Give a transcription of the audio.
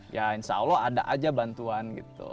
ya insya allah ada aja bantuan gitu